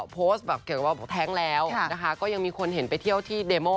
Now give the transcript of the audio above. โพสต์แบบเกี่ยวกับแท้งแล้วนะคะก็ยังมีคนเห็นไปเที่ยวที่เดโม่